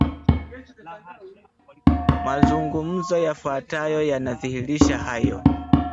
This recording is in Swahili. Mazungumzo yafuatayo yanadhihirisha hayo